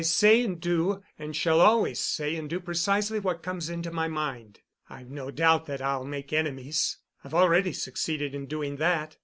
I say and do and shall always say and do precisely what comes into my mind. I've no doubt that I'll make enemies. I've already succeeded in doing that.